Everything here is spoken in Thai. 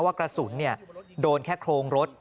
ว่ากระสุนเนี่ยโดนแค่โครงรถ